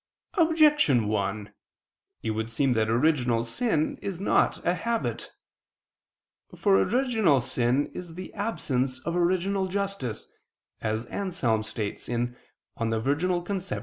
Objection 1: It would seem that original sin is not a habit. For original sin is the absence of original justice, as Anselm states (De Concep.